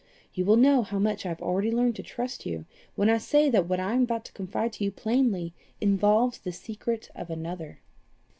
"You will know how much I have already learned to trust you when I say that what I am about to confide to you plainly involves the secret of another."